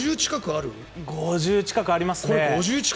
５０近くありますね。